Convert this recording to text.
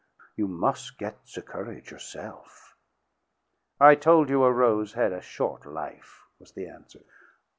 You mus' get the courage yourself." "I told you a rose had a short life," was the answer.